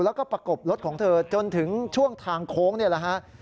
แล้วก็ประกบรถของเธอจนถึงช่วงทางโค้งนี่แหละฮะ